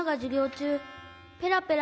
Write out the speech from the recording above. ちゅうペラペラ